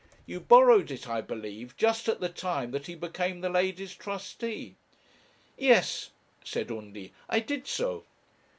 You borrowed it, I believe, just at the time that he became the lady's trustee?' 'Yes,' said Undy; 'I did so.'